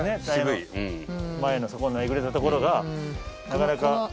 タイヤの前のそこのえぐれたところがなかなか。